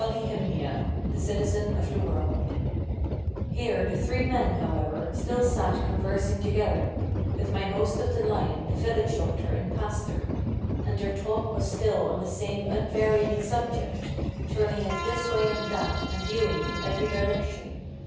POLYHYMNIA THE CITIZEN OF THE WORLD HERE the three men, however, still sat conversing together, With mine host of the Lion, the village doctor, and pastor; And their talk was still on the same unvarying subject, Turning it this way and that, and viewing from every direction.